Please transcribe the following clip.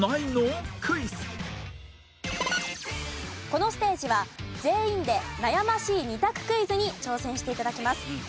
このステージは全員で悩ましい２択クイズに挑戦して頂きます。